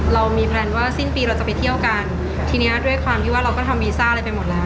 เรามีแพลนว่าสิ้นปีเราจะไปเที่ยวกันทีเนี้ยด้วยความที่ว่าเราก็ทำวีซ่าอะไรไปหมดแล้ว